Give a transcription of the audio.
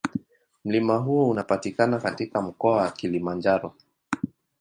Mlima huo unapatikana katika Mkoa wa Kilimanjaro.